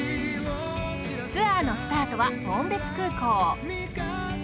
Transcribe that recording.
ツアーのスタートは紋別空港。